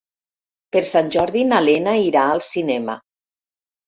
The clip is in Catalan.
Per Sant Jordi na Lena irà al cinema.